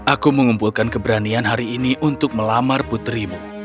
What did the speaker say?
aku mengumpulkan keberanian hari ini untuk melamar putrimu